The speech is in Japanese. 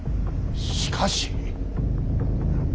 しかし。